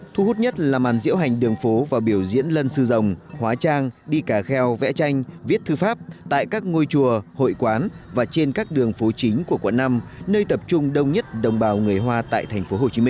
thu hút nhất là màn diễu hành đường phố và biểu diễn lân sư rồng hóa trang đi cà kheo vẽ tranh viết thư pháp tại các ngôi chùa hội quán và trên các đường phố chính của quận năm nơi tập trung đông nhất đồng bào người hoa tại tp hcm